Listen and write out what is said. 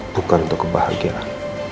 bukan untuk kebahagiaan